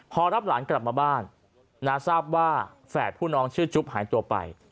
พอรับหลานกลับมาบ้านน้าทราบว่าแฝดผู้น้องชื่อจุ๊บหายตัวไป